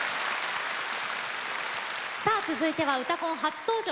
続いては「うたコン」初登場。